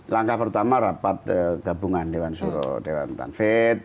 langkah pertama rapat gabungan dewan suro dewan tanvet